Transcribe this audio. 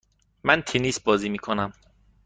من تنیس بازی میکنم.